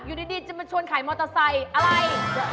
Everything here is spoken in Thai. อยู่ดีจะมาชวนขายมอเตอร์ไซค์อะไร